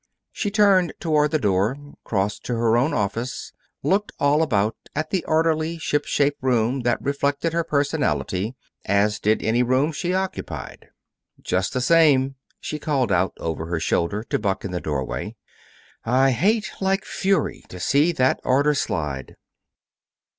She turned toward the door, crossed to her own office, looked all about at the orderly, ship shape room that reflected her personality as did any room she occupied. "Just the same," she called out, over her shoulder, to Buck in the doorway, "I hate like fury to see that order slide."